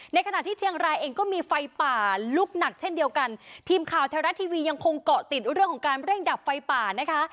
ขณะที่เชียงรายเองก็มีไฟป่าลุกหนักเช่นเดียวกันทีมข่าวแท้รัฐทีวียังคงเกาะติดเรื่องของการเร่งดับไฟป่านะคะ